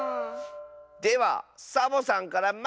ではサボさんからまいれ！